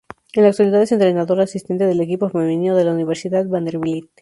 En la actualidad es entrenador asistente del equipo femenino de la Universidad Vanderbilt.